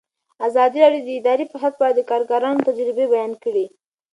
ازادي راډیو د اداري فساد په اړه د کارګرانو تجربې بیان کړي.